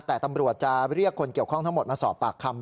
แต่ตำรวจจะเรียกคนเกี่ยวข้องทั้งหมดมาสอบปากคำ